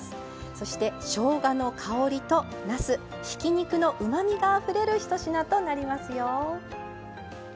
そして、しょうがの香りと、なすひき肉のうまみがあふれるひと品となりますよ。